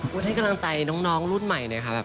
ให้กำลังใจน้องรุ่นใหม่เนี่ยค่ะ